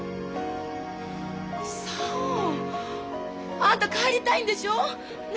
久男あんた帰りたいんでしょ？ね！